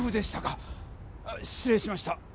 しつ礼しました！